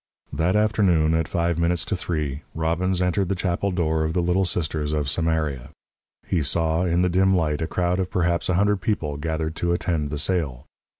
That afternoon, at five minutes to three, Robbins entered the chapel door of the Little Sisters of Samaria. He saw, in the dim light, a crowd of perhaps a hundred people gathered to attend the sale.